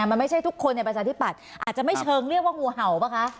มันไม่ใช่ทุกคนในประชาธิปัตย์อาจจะไม่เชิงเรียกว่างูเห่าป่ะคะ